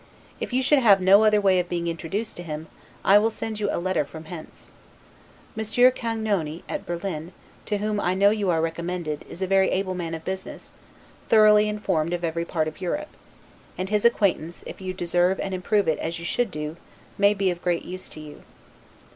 If you should have no other way of being introduced to him, I will send you a letter from hence. Monsieur Cagenoni, at Berlin, to whom I know you are recommended, is a very able man of business, thoroughly informed of every part of Europe; and his acquaintance, if you deserve and improve it as you should do, may be of great use to you.